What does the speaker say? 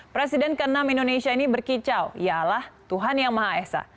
presiden ke enam indonesia ini berkicau ialah tuhan yang maha esa